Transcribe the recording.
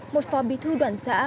một phò bi thư đoàn xã